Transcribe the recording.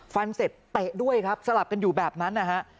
ฟันเสร็จเตะด้วยครับสลับกันอยู่แบบนั้นนะฮะ